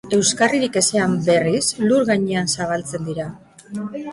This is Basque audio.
Euskarririk ezean, berriz, lur gainean zabaltzen dira.